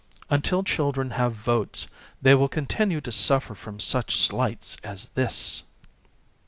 Until children have votes they will continue to suffer from such slights as this